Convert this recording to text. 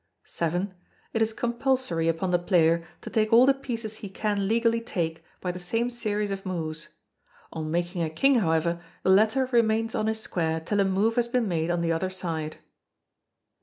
vii. It is compulsory upon the player to take all the pieces he can legally take by the same series of moves. On making a King, however, the latter remains on his square till a move has been made on the other side.